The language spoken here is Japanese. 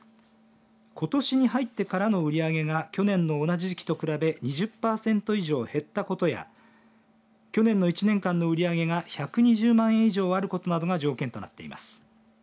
ことしに入ってからの売り上げが去年の同じ時期と比べ２０パーセント以上減ったことや去年の１年間の売り上げが１２０万以上あることなどが条件となっています。